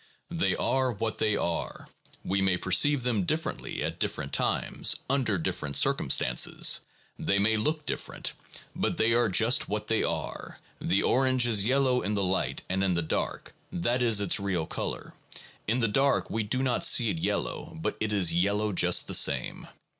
They are what they are: we may perceive them differently at different times, under different circumstances; they may look different; but they are just what they are; the orange is yellow in the light and in the dark, that is its real color; in the dark we do not see it yellow, but it is yellow just the same.